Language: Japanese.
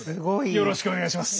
よろしくお願いします。